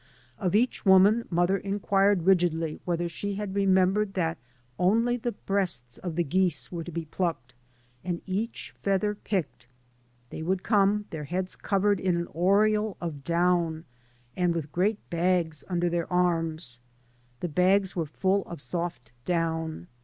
Of each woman mother inquired rigidly whether she had remembered that only the breasts of the geese were to be plucked, " and each feather picked " I They would come, their heads covered in an aureole of down, and with great bags under their arms. The bags were full of soft down.